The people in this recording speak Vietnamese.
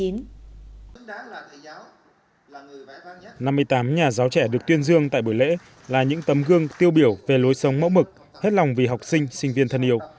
năm mươi tám nhà giáo trẻ được tuyên dương tại buổi lễ là những tấm gương tiêu biểu về lối sống mẫu mực hết lòng vì học sinh sinh viên thân yêu